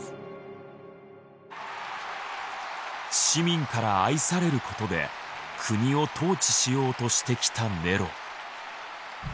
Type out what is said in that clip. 市民から愛される事で国を統治しようとしてきたネロ。